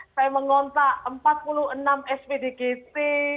saya mengontak empat puluh enam spdgt